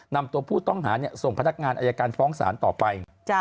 นำตัวผู้ต้องหาส่งพนักงานอายการฟ้องศาลต่อไป